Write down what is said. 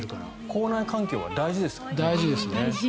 口内環境は大事ですからね。